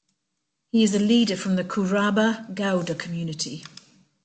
He is a leader from the Kuruba Gowda community.